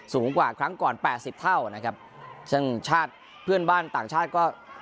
สูงกว่าครั้งก่อนแปดสิบเท่านะครับซึ่งชาติเพื่อนบ้านต่างชาติก็